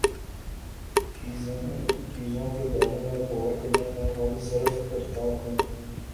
چیزوں کے بارے میں غور کرنے میں وقت صرف کرتا ہوں